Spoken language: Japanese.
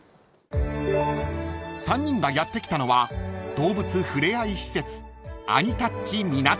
［３人がやって来たのは動物触れ合い施設］